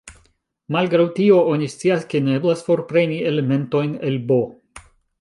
Malgraŭ tio, oni scias ke ne eblas forpreni elementojn el "B".